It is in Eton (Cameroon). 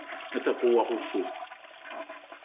Me ta ke woko oso.